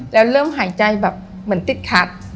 แล้วเริ่มหายใจแบบเหมือนติดขัด